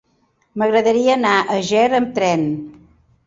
M'agradaria anar a Ger amb tren.